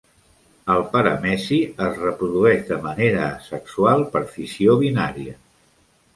El "parameci" es reprodueix de manera asexual, per fissió binària.